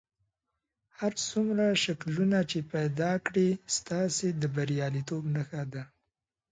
هر څومره شکلونه چې پیدا کړئ ستاسې د بریالیتوب نښه ده.